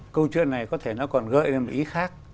câu chuyện này có thể nó còn gợi lên một ý khác